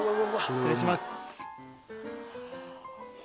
失礼します。